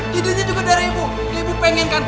kidulnya juga dari ibu ibu pengen kan